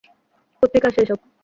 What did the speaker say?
কোত্থেকে আসে এসব!